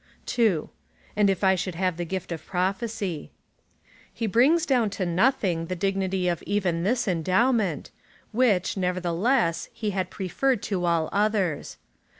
2. And if I should have the gift of prophecy. He brings down to nothing the dignity of even this endowment,^ which, nevertheless, he had preferred to all others.